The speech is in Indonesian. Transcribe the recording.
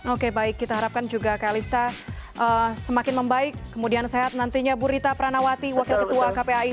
oke baik kita harapkan juga kalista semakin membaik kemudian sehat nantinya bu rita pranawati wakil ketua kpai